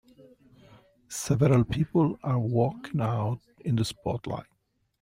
Several people are walking out in the spotlight.